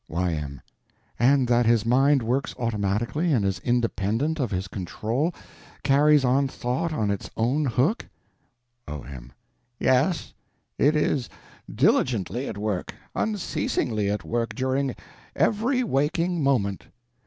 Y.M. And that his mind works automatically and is independent of his control—carries on thought on its own hook? O.M. Yes. It is diligently at work, unceasingly at work, during every waking moment.